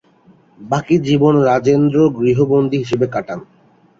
বাকি জীবন, রাজেন্দ্র গৃহবন্দী হিসেবে কাটান।